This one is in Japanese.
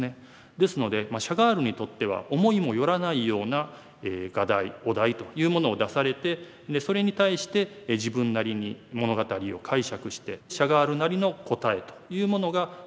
ですのでシャガールにとっては思いも寄らないような画題お題というものを出されてでそれに対して自分なりに物語を解釈してシャガールなりの答えというものが出ている。